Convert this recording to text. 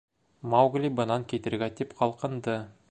Маугли бынан китергә тип ҡалҡынды.